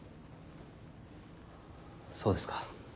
そうですか。